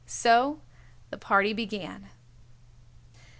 So the party began.